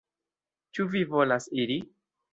Ĉu vi volas iri?